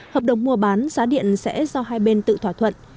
hợp đồng mua bán giá điện sẽ do hai bên tự thỏa thuận